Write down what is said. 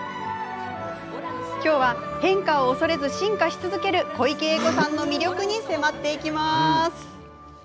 きょうは、変化を恐れず進化し続ける小池栄子さんの魅力に迫ります。